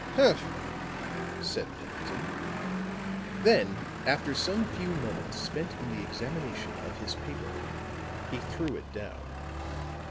"Humph!" said Pendleton. Then after some few moments spent in the examination of his paper he threw it down.